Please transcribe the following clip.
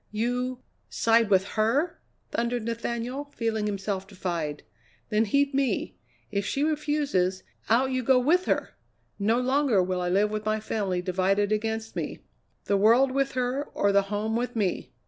"You side with her?" thundered Nathaniel, feeling himself defied. "Then heed me! If she refuses, out you go with her! No longer will I live with my family divided against me. The world with her, or the home with me!"